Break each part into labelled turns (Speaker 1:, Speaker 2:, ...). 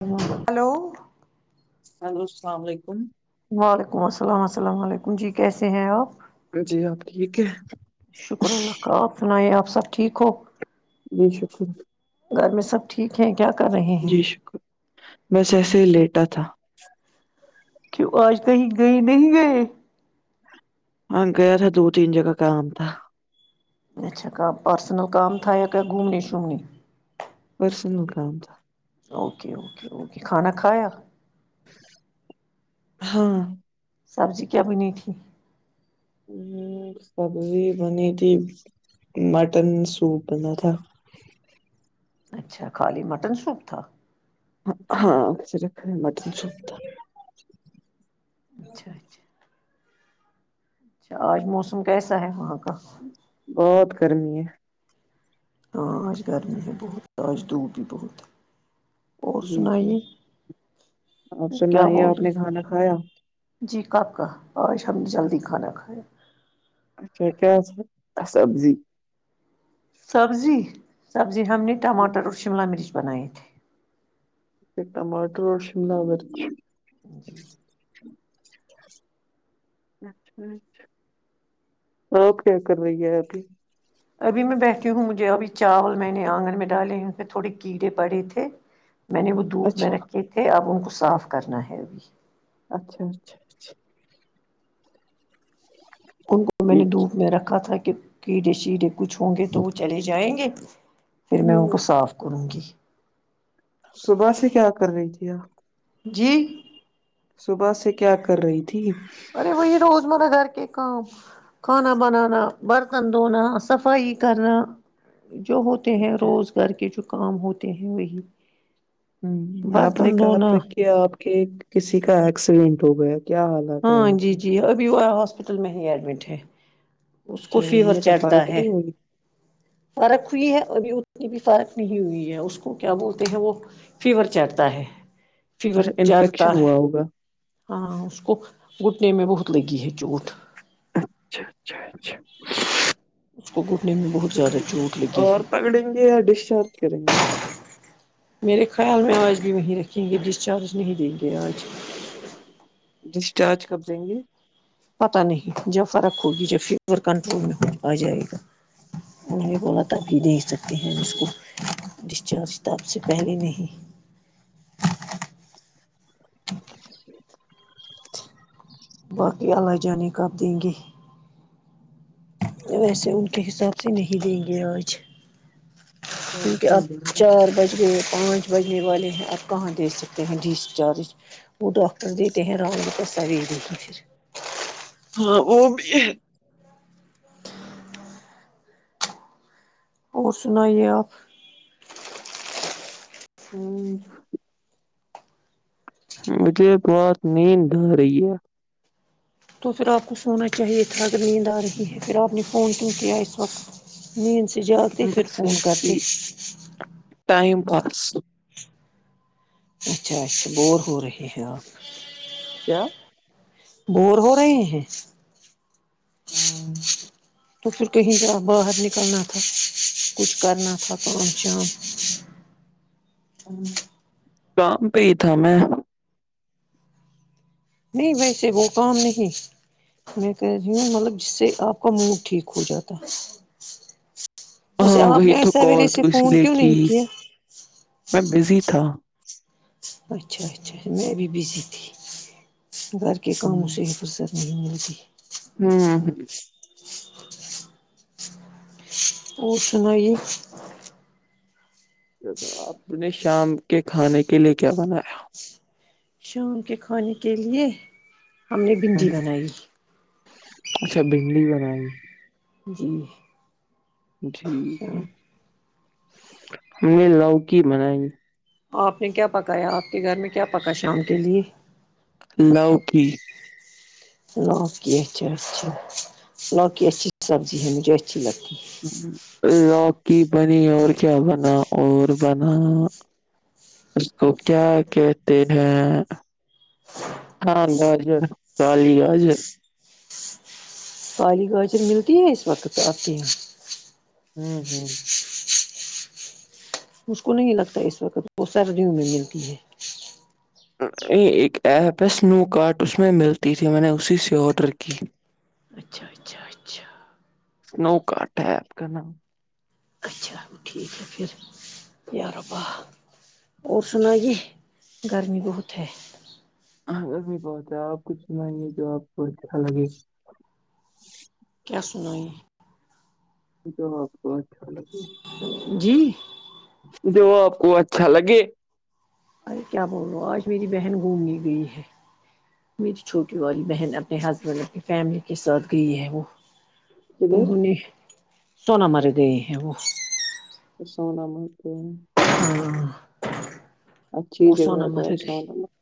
Speaker 1: ج hello
Speaker 2: hello السلام علیکم
Speaker 1: [unintelligible]
Speaker 2: جی آپ ٹھیک ہے
Speaker 1: [inaudible]
Speaker 2: جی شکریہ
Speaker 1: گھر میں سب ٹھیک ہے کیا کر رہے ہیں
Speaker 2: جی شکر میںس ایسے ہی لیٹا تھا
Speaker 1: کیوں آج کہیں گئے نہیں گئے
Speaker 2: ہاں گیا تھا دو تین جگہ کام تھا
Speaker 1: اچھا کا پرسنل کام تھا یا کیا گھومنے شھومنے
Speaker 2: پرسنل کاام تھا
Speaker 1: اوکے اوکے اوکے کھانا کھایا
Speaker 2: ہاں
Speaker 1: سبزی کیا بنی تھی
Speaker 2: سبزی بنی تھی مٹن سوپ بنا تھا
Speaker 1: اچھا خالی مٹن سوپ تھا
Speaker 2: ہاںر مٹن ستا
Speaker 1: اچھا اچھا اچھا آج موسم کیسا ہے وہاں کا
Speaker 2: بہت گرمی ہے
Speaker 1: ہاں آج گرمی ہے بہت تاج دھودپ بھی بہت اور
Speaker 2: جی جی
Speaker 1: سنائیے
Speaker 2: آپ
Speaker 1: کیا
Speaker 2: سنائیے
Speaker 1: بول
Speaker 2: آپ نے
Speaker 1: رہے
Speaker 2: کھانا کھایا
Speaker 1: جی کب اور ہم جلدی کھانا کھائے
Speaker 2: اچھا کیا سبزی
Speaker 1: سبزی سبزی ہم نے ٹماٹر اور شملہ مرچ بنائی تھے
Speaker 2: ٹمٹر روشم
Speaker 1: جی
Speaker 2: آ کیا کر رہی ہے آپھی
Speaker 1: ابھی میں بہتی ہوں مجھے ابھی چاول میں نے آنگن میں ڈالے ہیں اس میں تھوڑے کیڑے پڑے تھے میں نے وہ دھوپ میں
Speaker 2: اچھا
Speaker 1: رکھے تھے اب ان کو صاف کرنا ہے ابھی
Speaker 2: اچھا اچھا اچھا
Speaker 1: ان کو میں نے
Speaker 2: یہ
Speaker 1: دھوپ میں رکھا تھا کہ کیڑے شیھے کچھ ہوں گے تو وہ چلے جائیں گے پھر میں ان کو
Speaker 2: ہوں
Speaker 1: صاف کروں گی
Speaker 2: صبح سے کیا کر رہی تھی آپ
Speaker 1: جی
Speaker 2: صبح سے کیا کر رہی تھی
Speaker 1: ارے وہ یہ روز مرہ گھر کے کھانا بنانا برتن دھونا صفائی کرنا جو ہوتے ہیں
Speaker 2: اچھا
Speaker 1: روزگار کے جو کام ہوتے ہیں وہی
Speaker 2: آپ نے
Speaker 1: برتن
Speaker 2: کہا
Speaker 1: دھونا
Speaker 2: تھا کہ آپ کے کسی کا ایکسیڈینٹ ہو گیا کیا حال
Speaker 1: ہاں جی جی ابھی ہاسپٹل میں ہی ایڈمٹ ہے اس کو
Speaker 2: چہل
Speaker 1: فیور
Speaker 2: میں تفارت
Speaker 1: چڑھتا ہے
Speaker 2: نہیں ہوگی
Speaker 1: فرق ہوئی ہے ابھی اتنی بھی فارق نہیں ہوئی ہے اس کو کیا بولتے ہیں وہ فیور چڑھتا ہے فیور
Speaker 2: اچھا
Speaker 1: چڑھتا
Speaker 2: انفیکشن
Speaker 1: ہے
Speaker 2: ہوا ہوگا
Speaker 1: ہاں اس کو گھٹنے میں بہت لگی ہے چوٹ
Speaker 2: اچھا اچھا اچھا
Speaker 1: اس کو گھٹنے میں بہت زیادہ چوٹ لگی
Speaker 2: اور
Speaker 1: ہے
Speaker 2: پکڑیں گے یا ڈسچارج کریں گے تو
Speaker 1: میرے خیال میں آج بھی وہیں رکھیں گے ڈسچارج نہیں دیں گے آج
Speaker 2: ڈسچارج کر دیں گے
Speaker 1: پتا نہیں جب فرق ہوگی جب فیور کنٹرول میں ہو آ جائے گا تھا کی دیک ہیں اس کو ڈسچارج تو آپ سے پہلے نہیں
Speaker 2: [unintelligible]
Speaker 1: باقی جان کب دیں گے ویسے ان کے حساب سے نہیں دیں گے آج کیونکہ آپ چار بج گئے پانچ بجنے والے ہیں آپ کہاں دے سکتے ہیں ڈسچارج وہ ڈاکٹر دیتے ہیں رام پر سو پھر
Speaker 2: ہاں وہ بھی
Speaker 1: اور سنائیےپ
Speaker 2: ہوں مجھے بہت نیند ہو رہی ہے
Speaker 1: تو پھر آپ کو سونا چاہیے تھڑا اگر نیند آ رہی ہے پھر آپ نے فون کیوں کیا اس وقت مین سے جگتی پھر فون کرتی
Speaker 2: ائم پاس
Speaker 1: اچھا اچھا بور ہو رہ ہے آپ
Speaker 2: کیا
Speaker 1: بور ہو رہے ہیں تور کہہ ج باہر نکل ن تھاا کچھ کرنااتا کا شام
Speaker 2: کام پہ ہی تھا میں
Speaker 1: نہیں ویسے وہ کام نہیں میں کہہ رہی ہوں مطلب جس سے آپ کا موڈ ٹھیک ہو جاتا
Speaker 2: ہاں
Speaker 1: اچھا آپ
Speaker 2: وہی
Speaker 1: نے ای
Speaker 2: تو کال
Speaker 1: سوییرے
Speaker 2: تو
Speaker 1: سے
Speaker 2: اس
Speaker 1: فون
Speaker 2: لیے
Speaker 1: کیوں
Speaker 2: کی
Speaker 1: نہیں کیا
Speaker 2: میں بزی تھا
Speaker 1: اچھا اچھاچھا میں بھی بزی تھی گھر کے کاموں سے حفصت ج می
Speaker 2: ہاں ہاں ہاں
Speaker 1: اور سنائیے
Speaker 2: آپ نے شام کے کھانے کے لیے کیا بنایا
Speaker 1: شام کے کھانے کے لیے ہم نے
Speaker 2: ہوں،
Speaker 1: بھنڈی بنائی
Speaker 2: اچھا بھنڈی بنائی
Speaker 1: جی
Speaker 2: ٹھیک ہے
Speaker 1: شام
Speaker 2: ہم نے لوکی بنائی گی
Speaker 1: آپ نے کیا پکایا آپ کے گھر میں کیا پکا شام کے لیے
Speaker 2: لوکی
Speaker 1: لوکی اچھا اچھا لوکی اچھی سبزی ہے مجھے اچھی لگتی ہے
Speaker 2: لوکی بنی اور کیا بنا اور بنا اس کو کیا کہتے ہیں ہاں گاجر کالی گاجر
Speaker 1: پہالی گا سے ملتی ہے اس وقت تو آتی ہیں
Speaker 2: ہوں ہوں
Speaker 1: اس کو نہیں لگتا ہے اس وقت وہ سر ریوں میں ملتی ہے
Speaker 2: ا ایک ایپ ہے سنو کارٹ اس میں ملتی تھی میں نے اسی سے آرڈر کی
Speaker 1: اچھا اچھا اچھا
Speaker 2: سنو کٹ ہےپ کا ن
Speaker 1: اچھا ٹھیک پھر یار وپاہ اور سنائیے گرمی بہت ہے
Speaker 2: گرمی بہت ہے آپ کچھ سنائائیے تو آپ کو اچھا لگے
Speaker 1: کیا س نوئی
Speaker 2: جو آپ کو اچھا لگے
Speaker 1: جی نہیں
Speaker 2: جو وہ آپ کو اچھا لگے
Speaker 1: ارے کیا بول رہا ہ آج میری بہن گھومنے گئی ہے میری چھوٹی والی بہن اب اپنے ہسبینڈ اپنی فیملی کے ساتھ گئی ہے وہ انہوں
Speaker 2: کدھر
Speaker 1: نے ناامار گئی ہے ا وہو
Speaker 2: سونا مرتے ہیں
Speaker 1: ہاں
Speaker 2: اچھی
Speaker 1: وہ
Speaker 2: جگہ
Speaker 1: سونا
Speaker 2: ہے بہت
Speaker 1: مرد ہی
Speaker 2: سونا مت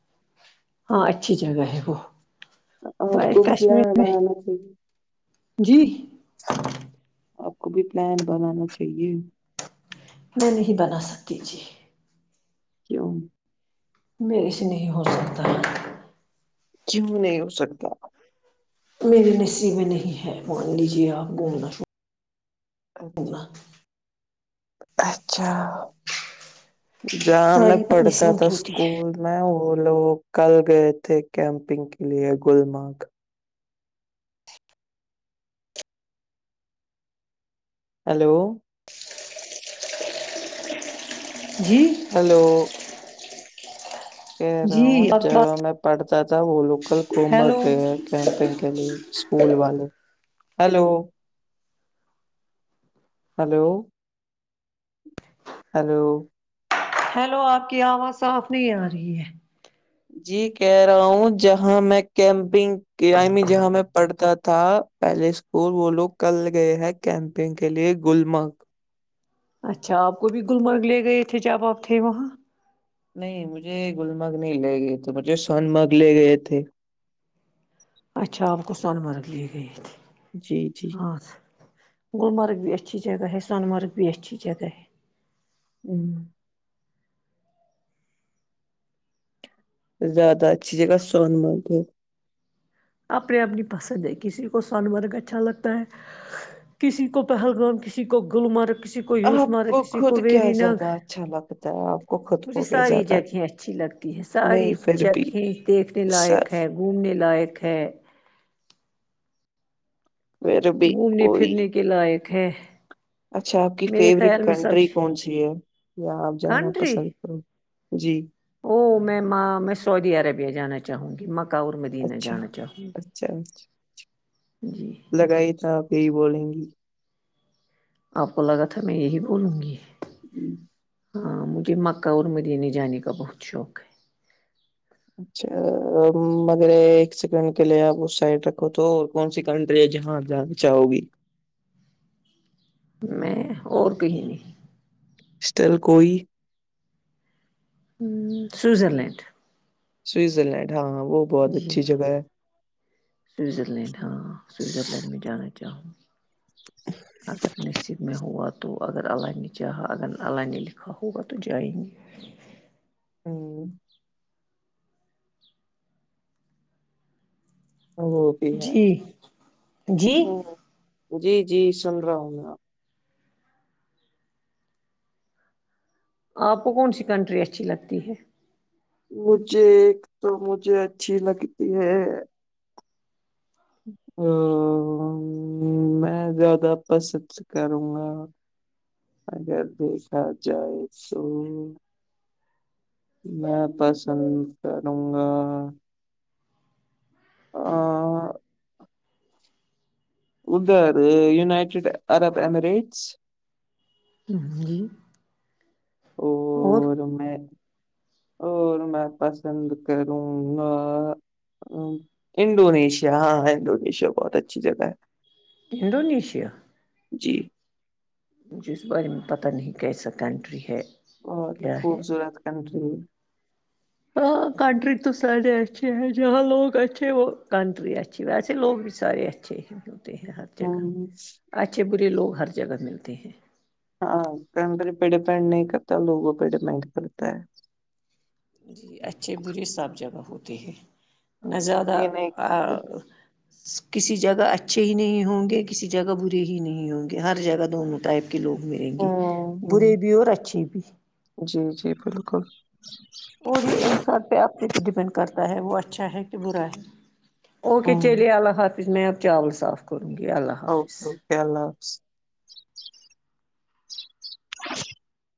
Speaker 1: ہاں اچھی جگہ ہے وہ
Speaker 2: آپ کو بھی
Speaker 1: کشمیر
Speaker 2: پلان
Speaker 1: میں
Speaker 2: بنانا چاہیے
Speaker 1: جی
Speaker 2: آپ کو بھی پلان بنانا چاہیے
Speaker 1: میں نہیں بنا سکتی جی
Speaker 2: کیوں
Speaker 1: میرے سے نہیں ہو سکتا
Speaker 2: کیوں نہیں ہو سکتا
Speaker 1: میے نسیب میں نہیں ہے مان لیجیے آپ گھومنا
Speaker 2: اچھا
Speaker 1: شومنا
Speaker 2: اچھا جہاں میں
Speaker 1: ساری بد
Speaker 2: پڑھتا
Speaker 1: نصیبوں
Speaker 2: تھا
Speaker 1: کی ہوتی ہے
Speaker 2: اسکول میں وہ لوگ کل گئے تھے کیمپنگ کے لیے گلمرگ ہیلو
Speaker 1: جی
Speaker 2: ہیلو کہہ رہا
Speaker 1: جی
Speaker 2: ہوں
Speaker 1: آپ کے
Speaker 2: جہاں
Speaker 1: پاس
Speaker 2: میں پڑھتا تھا وہ لوگ کل گلمرگ
Speaker 1: ہیلو
Speaker 2: گے ہیں کیمپنگ کے لیے اسکول والے ہیلو ہیلو ہیلو
Speaker 1: ہیلو آپ کی آواز صاف نہیں آ رہی ہے
Speaker 2: جی کہہ رہا ہوں جہاں میں کیمپنگ جہاں میں پڑھتا تھا پہلے اسکول وہ لوگ کل گئے ہیں کیمپنگ کے لیے گلمرگ
Speaker 1: اچھا آپ کو بھی گلمرگ لے گئے تھے جب آپ تھے وہاں
Speaker 2: نہیں مجھے گلمرگ نہیں لے گئے تھے مجھے سون مرگ لے گئے تھے
Speaker 1: اچھ آپ کوو سونمرگ لے گئیے تھے
Speaker 2: جی جی
Speaker 1: ہاں گلمرگ بھی اچھی جگہ ہے سون مرگ بھی اچھی جگہ ہے
Speaker 2: ہوں زیادہ اچھی جگہ سون مرگ
Speaker 1: اپنے اپنی پسند ہے کسی کو سن مرگ اچھا لگتا ہے کسی کو پہلگام کسی کو گلمرگ کسی کو
Speaker 2: آپ
Speaker 1: یوسمارگ کسی
Speaker 2: خود
Speaker 1: کو
Speaker 2: کیا
Speaker 1: ویری
Speaker 2: زیادہ
Speaker 1: نگ
Speaker 2: اچھا لگتا ہے آپ کو خود
Speaker 1: مجھے
Speaker 2: کو کیا
Speaker 1: ساری
Speaker 2: زیادہ
Speaker 1: جگہیں اچھی لگتی ساری
Speaker 2: نہیں پھر بھی
Speaker 1: جگہیں دیکھنے
Speaker 2: سر
Speaker 1: لائق ہے گھومنے لائق ہے
Speaker 2: بھر بھی
Speaker 1: گھومنے
Speaker 2: کوئی
Speaker 1: پھرنے کے لائق ہے
Speaker 2: اچھا آپ کی
Speaker 1: میرے
Speaker 2: فیوریٹ
Speaker 1: خیال میں سب
Speaker 2: کنٹری کون سی ہے یا آپ جانا
Speaker 1: کنٹری
Speaker 2: پسند کریں گے جی
Speaker 1: او میں میں سعودی عربیہ جانا چاہوں گی مکہ مدین
Speaker 2: اچھا
Speaker 1: جانا چاہوں گی
Speaker 2: اچھا اچھا
Speaker 1: جی
Speaker 2: لگا ہی تھا آپ یہی بولیں گی
Speaker 1: آپ کو لگا تھا میں یہی بولوں گی
Speaker 2: جی
Speaker 1: ہاں مجھے مکہ اور مدنے جانے کا بہت شوق ہے
Speaker 2: اچھا مگر ایک سیکنڈ کے لیے آپ اس سائڈ رکھو تو اور کون سی کنٹری ہے جہاں آپ جانا چاہو گے
Speaker 1: میں اور کہیں نہیں
Speaker 2: اسٹل کوئی
Speaker 1: سوزر لینڈ
Speaker 2: سوئزر لینڈ ہاں ہاں وہ بہت اچھی جگہ ہے
Speaker 1: سوںزر لینڈ ہاں سوئزرلینڈ میں جانا چاہوں اگر نسیب ہوا تو اگر اللہ چاہا اگر اللہ لکھا ہوگا تو جائ گی
Speaker 2: ہوں وہ بھی ہے
Speaker 1: جی جی
Speaker 2: جی جی سن رہا ہوں میں آپ
Speaker 1: آپ کو کون سی کنٹری اچھی لگتی ہے
Speaker 2: مجھے ایک تو مجھے اچھی لگتی ہے او میں زیادہ پسند کروں گا اگر دیکھا جائے تو میں پسند کروں گا آ ادھر یونائٹیڈ عرب امریٹس
Speaker 1: ہ جی
Speaker 2: او
Speaker 1: اور
Speaker 2: ر میں اور میں پسند کروں گا ہ انڈونیشیا ہاں انڈونیشیا بہت اچھی جگہ ہے
Speaker 1: انڈونیشیا
Speaker 2: جی
Speaker 1: مجھے اس بارے میں پتہ نہیں کیسا کنٹری ہے
Speaker 2: اور
Speaker 1: کیا ہے
Speaker 2: خوبصورت کنٹری
Speaker 1: ہاں کنٹری تو ساھے اچھے ہے جہاں لوگ اچھے وہ کنٹری اچھی اچھی ویسے لوگ بھی سارے اچھے ہی ہوتے ہیں
Speaker 2: ہ
Speaker 1: جگہ اچھے برے لوگ ہر جگہ ملتے ہیں
Speaker 2: ہاں پ پیڑے پینٹ نہیں کرتا لوگوں پی ڈے پینڈ کرتا ہے
Speaker 1: جی اچھے برے صاح جگہ ہوتے ہیں نہ زیادہ
Speaker 2: یہ نہیں
Speaker 1: کسی جگہ اچھے ہی نہیں ہوں گے کسی جگہ برے ہی نہیں ہوں گے ہر جگہ دونوں ٹائپ کے لوگ ملیں گے
Speaker 2: ہوں ہوں
Speaker 1: برے بھی اور اچھے بھی
Speaker 2: جی جی بالکل
Speaker 1: اور یہ انسان پہ آپنے پہ ڈیپینڈ کرتا ہے وہ اچھا ہے کہ برا ہے اوکے
Speaker 2: ہوں
Speaker 1: چلے اللہ حافظ میں اب چاول صاف کروں گی اللہ حفظ
Speaker 2: اوکے اوکے اللہ حافظ اچ